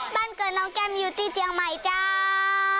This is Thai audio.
บ้านเกิดน้องแก้มอยู่ที่เจียงใหม่จ้า